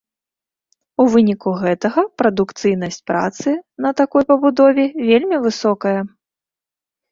У выніку гэтага прадукцыйнасць працы на такой пабудове вельмі высокая.